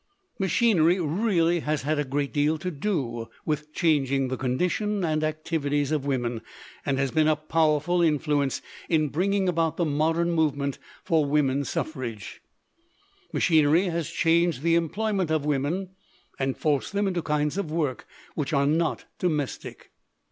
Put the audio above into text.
"Machinery really has had a great deal to do 123 LITERATURE IN THE MAKING with changing the condition and activities of woman, and has been a powerful influence in bringing about the modern movement for women's suffrage. Machinery has changed the employ ment of women and forced them into kinds of work which are not domestic.